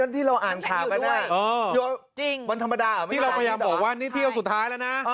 ที่ว่าเที่ยวสุดท้าย